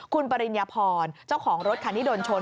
คุณปริญญาพรเจ้าของรถคันที่โดนชน